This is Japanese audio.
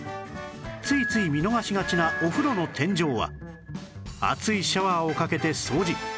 ついつい見逃しがちなお風呂の天井は熱いシャワーをかけて掃除